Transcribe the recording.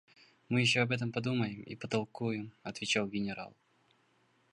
– Мы еще об этом подумаем и потолкуем, – отвечал генерал.